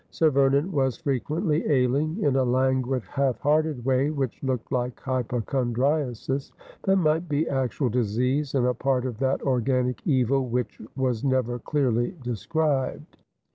Sir Vernon was frequently ailing, in a languid half hearted way, which looked like hypochondriasis, but might be actual disease, and a part of that organic evil which was never clearly described.